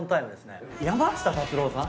山下達郎さん。